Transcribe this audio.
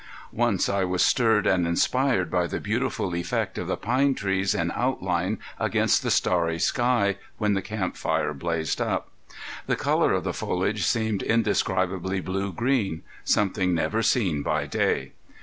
Once I was stirred and inspired by the beautiful effect of the pine trees in outline against the starry sky when the camp fire blazed up. The color of the foliage seemed indescribably blue green, something never seen by day.